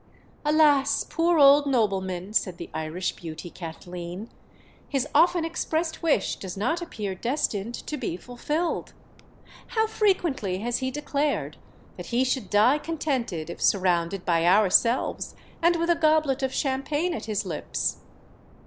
"Alas! poor old nobleman," said the Irish beauty, Kathleen; "his often expressed wish does not appear destined to be fulfilled! How frequently has he declared that he should die contented if surrounded by ourselves, and with a goblet of champagne at his lips!"